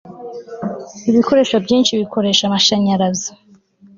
ibikoresho byinshi bikoresha amashanyarazi